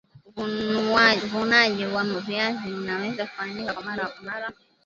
uvunaji wa viazi unawez kufanyika kwa mara moja